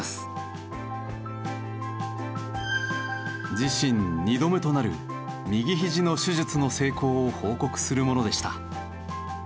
自身２度目となる右ひじの手術の成功を報告するものでした。